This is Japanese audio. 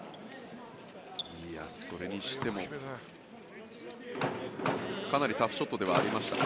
それにしても、かなりタフショットではありました。